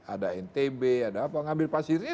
ada ntb ada apa ngambil pasirnya